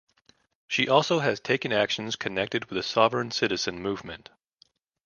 She also has taken actions connected with the sovereign citizen movement.